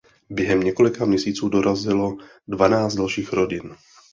Během několika měsíců dorazilo dvanáct dalších rodin.